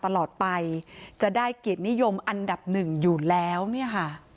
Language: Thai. ตลอดไปจะได้เกียรตินิยมอันดับหนึ่งอยู่แล้วเนี่ยค่ะ